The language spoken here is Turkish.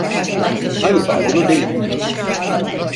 Hayır, onu değil.